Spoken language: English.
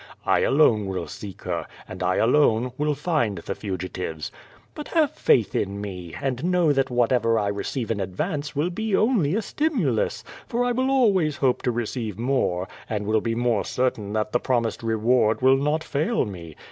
I alone will seek her, and I alone will find the fugitives. But have faith in me, and know that whatever I receive in advance will be only a stimulus, for I will always hoi>e to receive more, and will be more certain that the promised reward will not fail me.